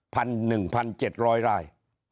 หนึ่งพันเจ็ดร้อยราย